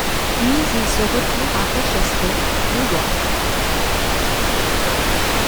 Puis il se retire à Rochester, New York.